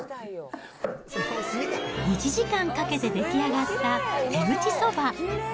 １時間かけて出来上がった手打ちそば。